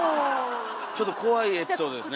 ちょっと怖いエピソードですねえ。